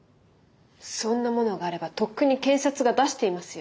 そんなものがあればとっくに検察が出していますよ。